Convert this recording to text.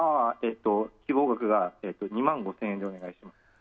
希望額が２万５０００円でお願いします。